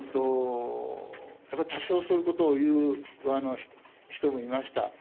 やっぱり多少そういうことを言う人もいました。